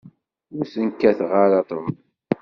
Ur sen-kkateɣ ara ṭṭbel.